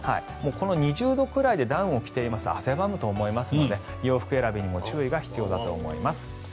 この２０度ぐらいでダウンを着ていますと汗ばむと思いますので洋服選びにも注意が必要だと思います。